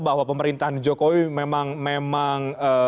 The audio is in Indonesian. bahwa pemerintahan jokowi memang